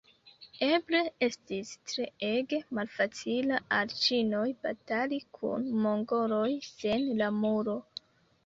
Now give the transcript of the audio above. Eble estis treege malfacila al ĉinoj batali kun mongoloj sen la Muro.